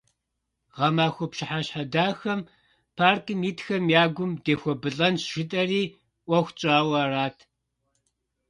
Гъэмахуэ пщыхьэщхьэ дахэм паркым итхэм я гум дехуэбылӀэнщ жытӀэри, Ӏуэху тщӀауэ арат.